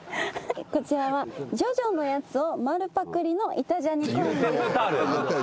こちらは『ジョジョ』のやつを丸パクリの『イタ×ジャニ』コイン。